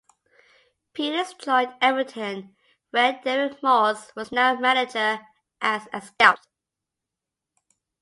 Peters joined Everton, where David Moyes was now manager, as a scout.